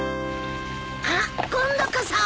あっ今度こそ！